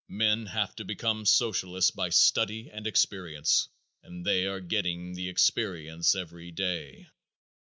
Men have to become Socialists by study and experience, and they are getting the experience every day.